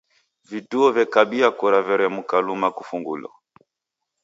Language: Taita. Viduo vekabia kura veremuka luma kufungulwa.